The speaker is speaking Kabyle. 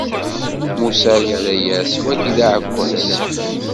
Musa yerra-as: Wagi d aɛekkaz.